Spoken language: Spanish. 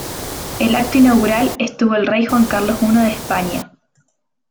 El acto inaugural estuvo el Rey Juan Carlos I de España.